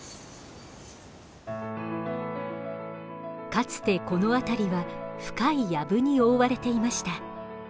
かつてこの辺りは深いやぶに覆われていました。